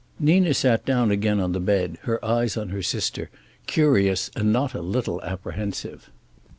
Nina sat down again on the bed, her eyes on her sister, curious and not a little apprehensive.